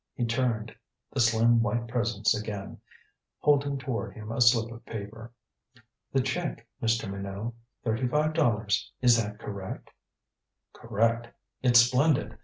He turned. The slim white presence again, holding toward him a slip of paper. "The check, Mr. Minot. Thirty five dollars. Is that correct?" "Correct. It's splendid.